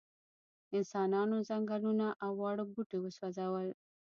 انسانانو ځنګلونه او واړه بوټي وسوځول.